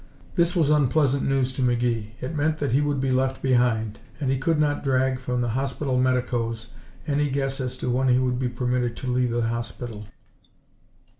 This was unpleasant news to McGee. It meant that he would be left behind, and he could not drag from the hospital medicoes any guess as to when he would be permitted to leave the hospital.